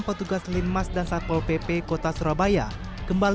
petugas limas dan sapo pp kota surabaya